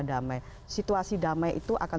damai situasi damai itu akan